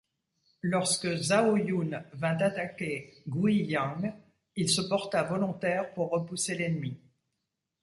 Lorsque Zhao Yun vint attaquer Guiyang, il se porta volontaire pour repousser l’ennemi.